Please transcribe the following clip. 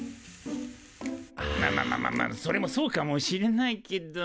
まあまあまあまあまあそれもそうかもしれないけど。